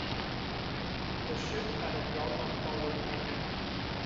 The ship had a draught of forward and aft.